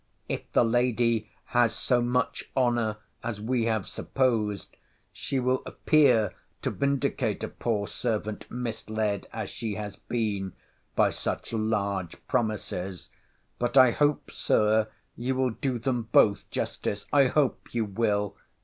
]—If the lady has so much honour, as we have supposed, she will appear to vindicate a poor servant, misled, as she has been, by such large promises!—But I hope, Sir, you will do them both justice: I hope you will!